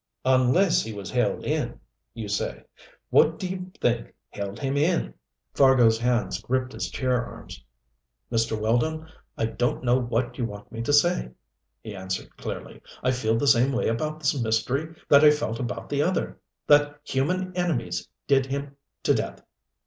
"'Unless he was held in,' you say. What do you think held him in?" Fargo's hands gripped his chair arms. "Mr. Weldon, I don't know what you want me to say," he answered clearly. "I feel the same way about this mystery that I felt about the other that human enemies did him to death.